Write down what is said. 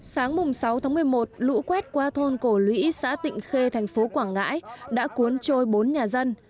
sáng sáu một mươi một lũ quét qua thôn cổ lũy xã tịnh khê thành phố quảng ngãi đã cuốn trôi bốn nhà dân